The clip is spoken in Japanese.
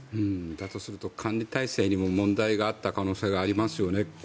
だとすると管理体制にも問題があった可能性がありますよね。